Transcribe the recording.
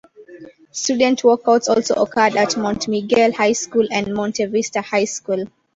Student walkouts also occurred at Mount Miguel High School and Monte Vista High School.